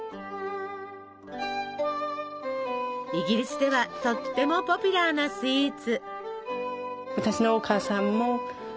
イギリスではとってもポピュラーなスイーツ。